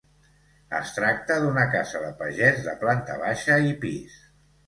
Es tracta d'una casa de pagès de planta baixa i pis.